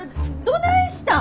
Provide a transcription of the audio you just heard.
どないしよ！